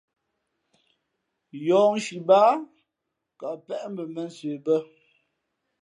Yɔ̌hnshi báá kαʼ péʼ mbα mēnsə bᾱ.